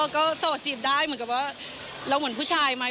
ก็โสดจีบได้เหมือนกับว่าเราเหมือนผู้ชายไหม